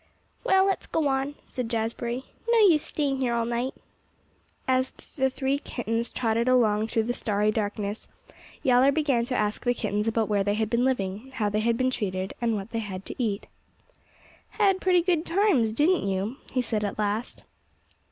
"Well, let's go on," said Jazbury. "No use staying here all night." As the three kittens trotted along through the starry darkness Yowler began to ask the kittens about where they had been living, how they had been treated, and what they had to eat. "Had pretty good times, didn't you?" he said at last.